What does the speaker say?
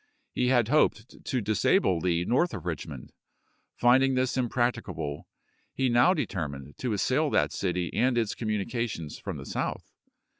He had hoped to disable Lee north of Richmond; finding this impracticable, he now determined to assail that city and its communica tions from the south.